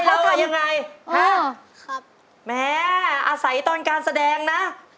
ยังไงยังไงฮะแม่อาศัยตอนการแสดงนะ